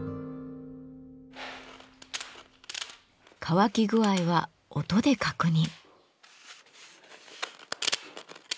乾き具合は音で確認。